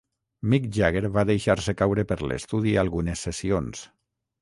Mick Jagger va deixar-se caure per l'estudi algunes sessions.